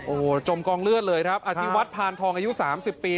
โอ้โหจมกองเลือดเลยครับอธิวัฒน์พานทองอายุ๓๐ปี